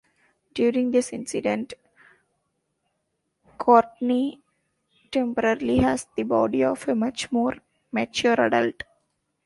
During this incident, Courtney temporarily has the body of a much more mature adult.